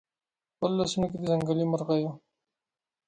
خپلو لاسونو کې د ځنګلي مرغیو